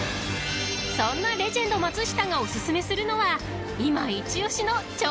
［そんなレジェンド松下がお薦めするのは今］